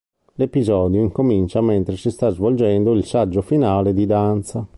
L'episodio incomincia mentre si sta svolgendo il saggio finale di danza.